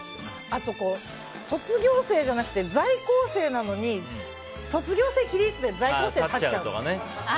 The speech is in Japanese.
あと卒業生じゃなくて在校生なのに卒業生起立！で在校生立っちゃうとか。